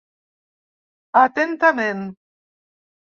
Atentament.